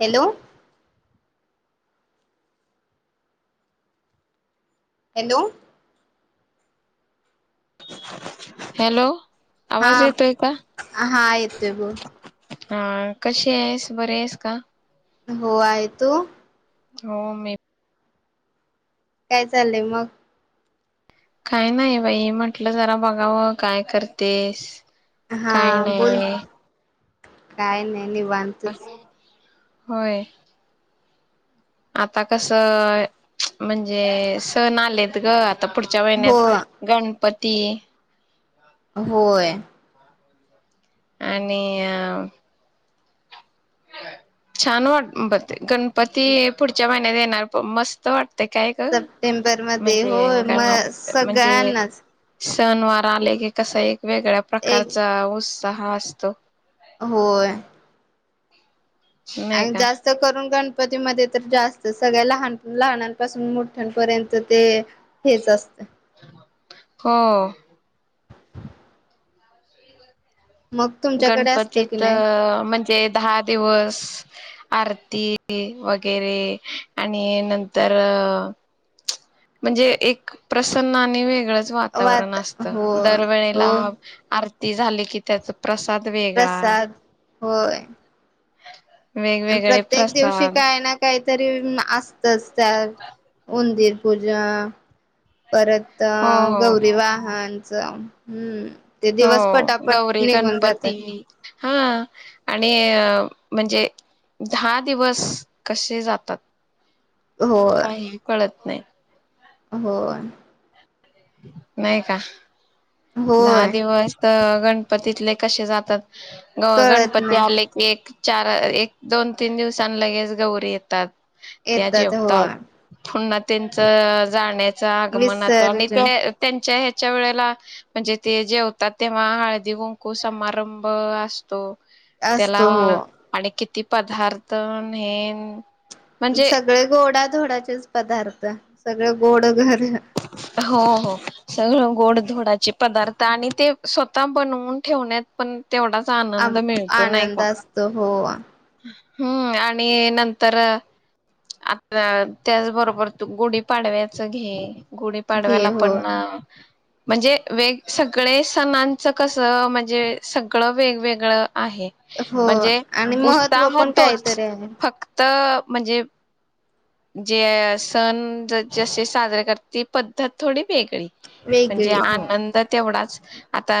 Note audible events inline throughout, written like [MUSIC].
Hello hello hello आवाज हां येतोय का? हां येतोय बोल. हां कशी आहेस बरी आहेस का? हो आहे तो हो मी काय चाललंय मग? काय नाही बाई म्हटलं जरा बघावं काय करतेस. काय हां बोल. नाही काय नाही. निवांतचं. होय. आता कसं म्हणजे सण आलेत गं आता पुढच्या हो महिन्यात गण पती होय. आणि- छान वाट बते गण- पती पुढच्या म- देणार पण मस्त वाटत- सप्टेंबरमध्ये होय, म कारण म्हणजे सगळ्यांनाच- सणवार आले की कसं आहे वेगळ्या एक प्रकारचा ऊस हां असतो होय. नाही आणि का जास्त करून गण गणपतीमध्ये तर जास्त सगळ्या लहान लहानांपासून मोठ्यांपर्यंत ते हेचं असतं हो मग तुमच्याकडे असतं की गणपतीत नाही अ म्हणजे दहा दिवस आरती वगैरे आणि नंतर म्हणजे एक प्रसन्न आणि वे वेगळचं वातावरण वात असतं. हो हो दरवेळेला आर ते झाले की त्याचं प्रसाद, होय. वेगवेगळे प्रत्येक दिवशी प्रसाद काही ना काहीतरी असतच त्या उंदीर पूजा परत हो हो गौरी वाहन च हम्म. ते दिवस हो पटापट गौरी, निघून जातात. गणपती हा. आणि म्हणजे दहा दिवस कसे जातात. होय काही कळत नाही होय नाहीय का दहा होय दिवस तर गणपतीतले कसे जातात ग कळत गणपती नाही आले की, एक चार एक दोन-तीन दिवसांनं लगेच गौरी येतात त्या येतात जेवतात होय पुन्हा, त्यांच जाण्या च्या आगमनात आणि विसर्जन त्या त्यांच्या च्या वेळेला म्हणजे ते जेवतात तेव्हा हळदी - कुंकू समारंभ असतो त्याला असतो हो आणि किती पदार्थ न हे म्हणजे सगळे गोडा -धोडाचे तेच पदार्थ सगळं गोड घर हो हो सगळं गोड -धोडाचे पदार्थ आणि ते स् ता बनवून ठेवण्यात पण तेवढाच आनंद आम मिळतो नाही आनंद का? असतो हो हम्म आणि नंतर आता त्याच बरोबर तू गुढी पाडव्याचं घे गुढी घे पाडव्याला हो पण अ म्हणजे वेग सगळे सणांचं कसं म्हणजे सगळं वेगवेगळं आहे हो म्हणजे आणि महत्त्व उत्साह पण तोच काहीतरी आहे. फक्त म्हणजे जे सण जसजसे साजरे करत ती पद्धत थोडी वेगळी म्हणजे वेगळी हो आनंद तेवढाच आता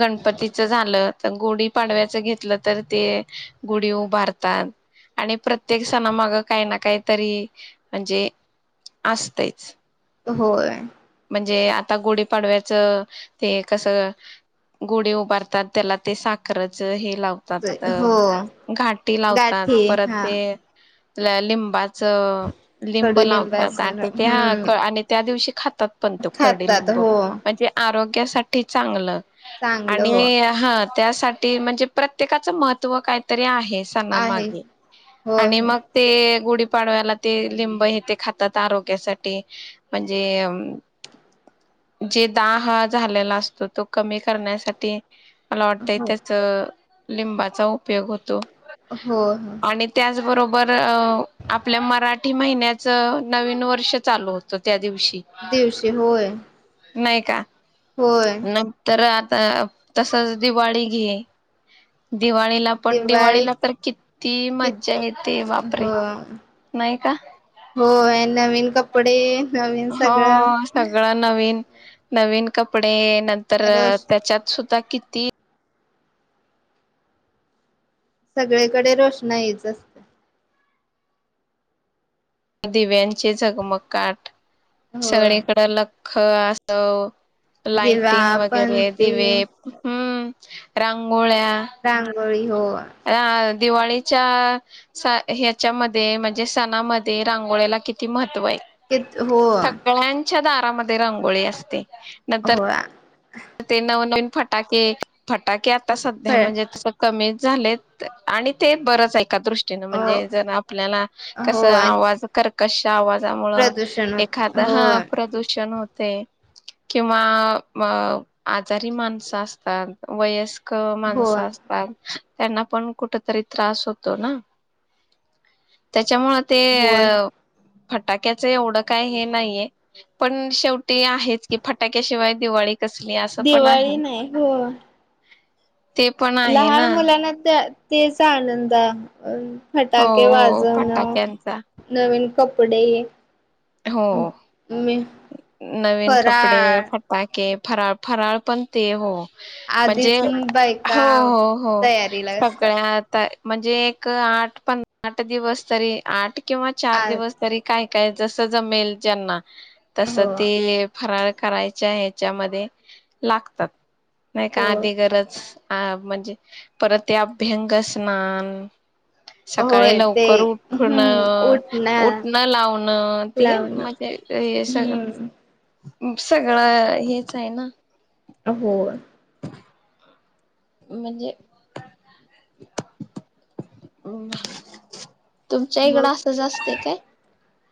गणपतीच झालं तर गुढी पाडव्याच घेतलं तर ते गुढी उभारतात आणि प्रत्येक सणामाग काही ना काही तरी म्हणजे असतयच. होय म्हणजे आता गुढीपाडव्याचं ते कसं गुढी उभारतात त्याला ते साखरेचे लावतात, हो घाटी लावतात गाठी परत हा ते ल लिंबा च लिंब लावतात कडुलिंबासन हम्म आणि त्या दिवशी खातात. पण तो करडी खातात लिंबू हो म्हणजे आरो [UNINTELLIGIBLE] साठी चांगलं. चांगलं हो आणि हा त्यासाठी म्हणजे प्रत्येकाचं महत्त्व काहीतरी आहे. हे सणा आहे मागे होय आणि मग ते गुढीपाडव्याला ते लिंब हे ते खातात आरोग्यासाठी म्हणजे अ जे दाहा झालेला असतो तो कमी करण्यासाठी मला वाटतय हो त्याच लिंबाचा उपयोग होतो. होय, होय. बरोबर अ आपल्या मराठी महिन्याच नवीन वर्ष चालू होतं त्या दिवशी दिवशी होय. [UNINTELLIGIBLE] नाही का. होय नंतर आ तसच दिवाळी घे. दिवाळीला पण दिवाळीला, दिवाळीत तर किती मज्जा किती येते. बापरे हो नाही का? होय नवीन कपडे नवीन सगळं हा सगळं नवीन नवीन कपडे. नंतर रोष त्याच्यात सुद्धा किती सगळीकडे रोषणाईच असते. दिव्यांचे झगमगाट. होय सगळीकड ल खं [UNINTELLIGIBLE] दिवा लाइटिंग वगैरे पणती दिवे हम्म. रंग मुळ्या रांगोळी [UNINTELLIGIBLE] हो. दिवाळीच्या ह्याच्यामध्ये म्हणजे सणामध्ये रांगोळ्याला किती महत त्व हाय. कि हो सगळ्यांच्या दारात [UNINTELLIGIBLE] रंगोळी असते. नंतर होया ते नवनवीन फटाके फटाके आ ता सध्या होय म्हणजे तस कमी झाले आणि ते बरंच ऐ एका दृष्टीन अ म्हणजे जर आपल्याला कस होय आवाज कर्कश आवाजामुळ प्रदूषण होत एखाद हा होय प्रदूषण होत. ते किंवा अअ म आजारी माणसं असतात वयस्क कर माणसं होय असतात. त्यांना पण कुठ तरी त्रास होतो ना त्या त्यामुळ ते होय अ फटाक्याच एवढं काय हे नाहीये पण शेवटी आहेच की फटाक्याशिवाय दिवाळी कस दिवाळी नाही. हो ते पण आहे लहान ना मुलाना त त्येचा आनंद अ हो फटाके हो वाजण फटाक्यांचा नवीन कपडे हो मी नवीन कपडे फराळ फटाके फराळ फराळ पण ते हो म्हणजे आधीच हो बायका हो हो तयारीला असतात सगळ्या आता म्हणजे एक आठ पन् आता दिवस तरी आठ किंवा चार आ दिवस तरी काय [INAUDIBLE] जस जमेल ज्यांना तस हो ते ले फरार करायच्या ह्याच्यामध्ये लागतात. नाही का हो आधी गरच अ म्हणजे परत ते अभ्यंग स्नान सकाळी होय ते लवकर उठून हम्म अअ उठणं लाव अ ते लावणं म्हजे ते हम्म सगळं सगळं हेच आहे ना हो म्हणजे तुमच्या मग इकडं असंच असतय काय?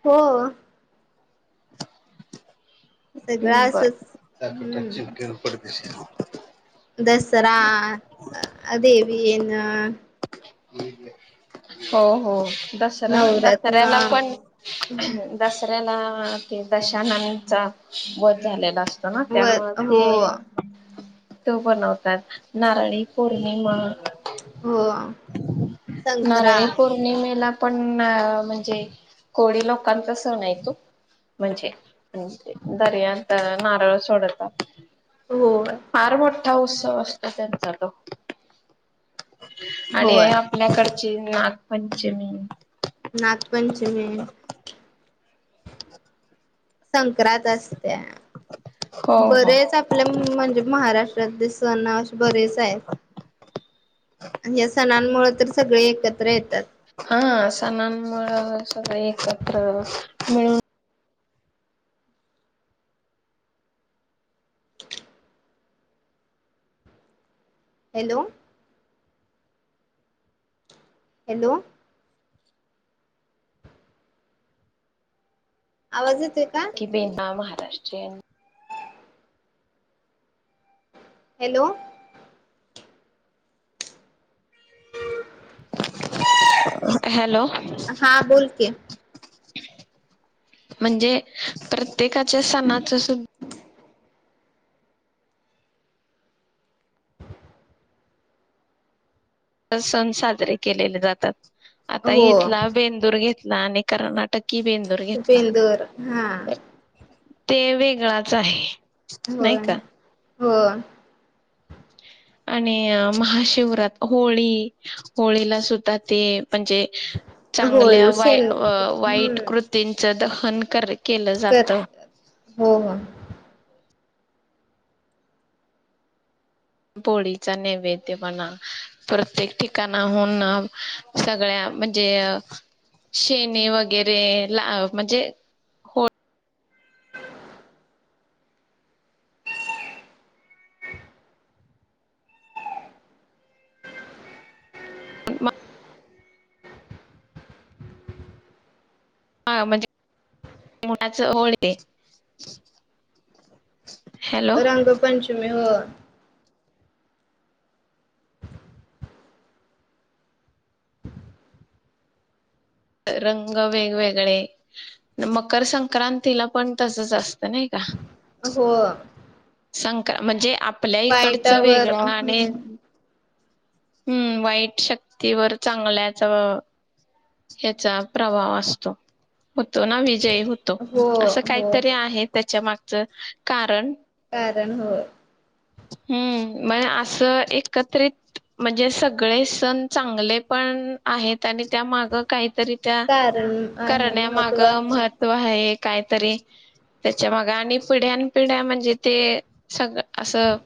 हो. सगळं बर असच हम्म [UNINTELLIGIBLE] दसरा देवी ना [UNINTELLIGIBLE] हो हो दसरा नवरत्न दसऱ्याला पण दसरा ते न ते दशाननाचा वध झालेला असतो. त्यान व त्यामुळे हो ते तो बनवतात नारळी पौर्णिमा हो नाराळी संक्रांत पौर्णिमेला पण आ म्हणजे कोळी लोकांचा सण आहे तो म्हणजे दर्यांत नारळ सोडतात. हो फार मोठा उत्सव असतो त्यांचा तो होय आमची नागपंचमी नागपंचमी संक्रांत असते. हो त्या हो बरेच आपल्या म्हणजे महाराष्ट्रातले सण असे बरेच आहेत. या सणांमुळे तर सगळे एकत्र येतात. सणांमुळ सगळे एकत्र मिळून हॅलो हॅलो आवाज येतो ते देव नाम हाय. [UNINTELLIGIBLE] हॅलो हॅलो हा बोल की. म्हणजे परत प्रत्येकाच्या सणाचं सुद सण साजरे केलेले जातात. आता हो इथला बेंदूर घेत नानी कर्नाटक बेंदूर हा ते वेगळाच आहे. नाही होय का हो आणि महाशिवरात, होळी होळीला सुद्धा ते म्हणजे चांगल्या होळी वाय शेण वाईट कृतींच द फन करि कर हो हो पोळीचा नैवेद्य म्हणा प्रत्येक ठिकाणाहून सगळ्या म्हणजे शेणी वगैरे ला म्हणजे, हो [UNINTELLIGIBLE] रंगपंचमी हो [INAUDIBLE] रंग वेगवेगळे, मकर संक्रांतीला पण तसंच असत नाही का हो संक म्हणजे आपल्या इकडचं वाईटावर वेगळं आणि हम्म हम्म वाईट शक्ती वर चांगल्याच याचा प्रभाव असतो तो ना विजयी होतो हो असं हो काहीतरी आहे त्याच्या माग च कारण कारण हो हम्म म अस एकत्रित म्हणजे सगळे सण चांगले पण आहेत आणि त्या माग काही तरी त्या कारण आहे करण्यामाग महत्त्व आहे महत्व आहे. काहीतरी त्याच्या माग आणि पिढ्यान -पिढ्या म्हणजे ते सगळ असं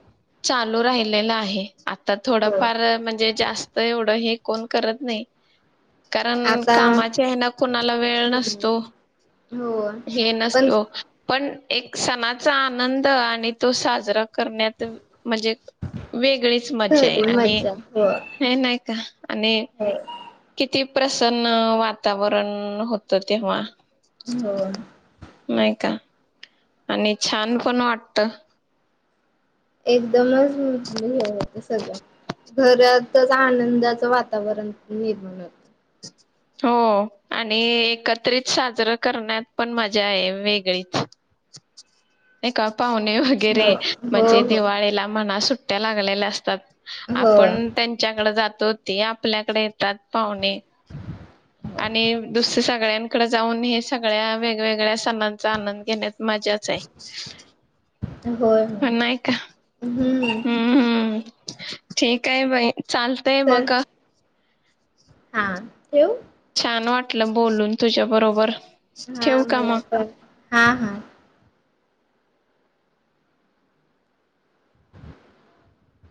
चालू राहिलेला आहे. आता हो थोडंफार म्हणजे जास्त एवढं हे कोण करत नाही कारण आता कामाच्या हेन कोणाला वेळ हम्म नसतो हो हे पण नसतो, पण एक सणाचा आनंद आणि तो साजरा करण्या म्हणजे वेगळीच मजा आहे खरी आणि मज्जा हो हे नाही का आणि हो किती प्रसन्न वातावरण होतं तेव्हा हो नाही का आणि छान पण वाटत. एक दमच होत सगळं घरातच आनंदाचं वातावरण निर्माण होत. हो आणि एकत्रित साजरं करण्यात पण मजा आहे वेगळीच एका पाहुणे हो वगैरे हो म्हणजे हो दिवाळीला मना सु सुट्ट्या लागलेल्या असतात. होय आपण त्यांच्याकड जा तर ते आपल्याकडे येतात पाहुणे [INAUDIBLE] आणि दुसर सगळ्यांकडे जाऊन हे सगळ्या वेगवेगळ्या सणांचा आनंद घेण्यात मजाच हाय. अता होय होय हम्म ह हम्म हम्म ठीक आहे बाई चालतय चल मक हा ठेवू. छान वाटलं बोलून तुझ्या बरोबर हा ठेवूका म? मला पण हा हा